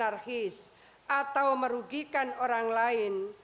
atau merugikan orang lain